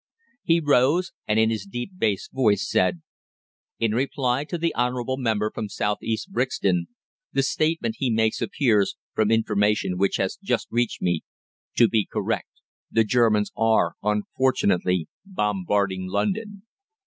He rose, and, in his deep bass voice, said: "In reply to the honourable member for South East Brixton, the statement he makes appears, from information which has just reached me, to be correct. The Germans are, unfortunately, bombarding London.